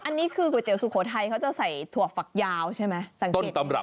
อันนี้คือก๋วยเตี๋ยวสุโขทัยเค้าจะใส่ถั่วฝักยาวใช่ไหม